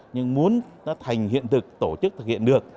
nhưng muốn nó thành hiện thực tổ chức thực hiện được